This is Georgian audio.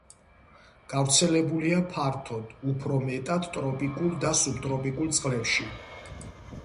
გავრცელებულია ფართოდ, უფრო მეტად ტროპიკულ და სუბტროპიკულ წყლებში.